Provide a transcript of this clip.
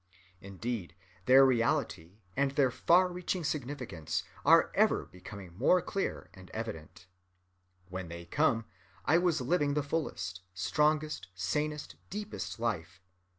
Indeed, their reality and their far‐reaching significance are ever becoming more clear and evident. When they came, I was living the fullest, strongest, sanest, deepest life.